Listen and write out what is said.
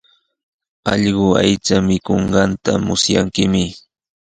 Allqu aycha mikunqanta musyankimi.